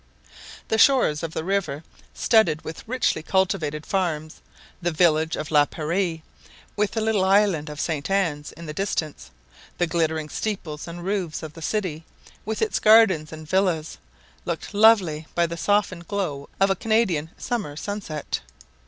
The shores of the river, studded with richly cultivated farms; the village of La Prairie, with the little island of St. Anne's in the distance; the glittering steeples and roofs of the city, with its gardens and villas, looked lovely by the softened glow of a Canadian summer sunset.